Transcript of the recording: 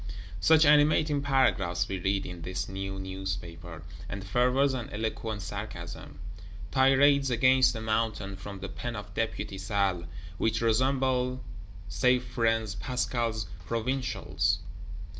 Such animating paragraphs we read in this new Newspaper; and fervors and eloquent sarcasm: tirades against the Mountain, from the pen of Deputy Salles; which resemble, say friends, Pascal's "Provincials."